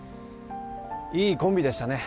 いいコンビでしたね